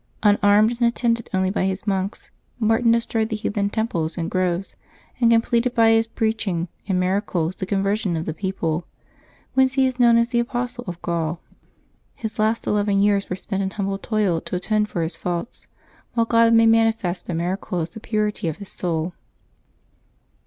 Unarmed and attended only by his monks, Martin de stroyed the heathen temples and groves, and completed by his preaching and miracles the conversion of the people, whence he is known as the Apostle of Gaul. His last 356 LIYE8 OF THE SAINTS [Novembeb 13 eleven years were spent in humble toil to atone for his faults, while ©od made manifest by miracles the purity of his soul.